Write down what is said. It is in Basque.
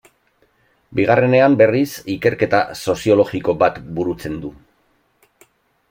Bigarrenean, berriz, ikerketa soziologiko bat burutzen du.